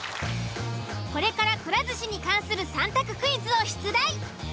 これから「くら寿司」に関する３択クイズを出題。